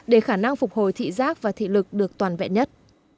để khả năng phục hồi thị giác và thị lực được toàn vẹn nhất